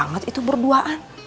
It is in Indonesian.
nah iya pak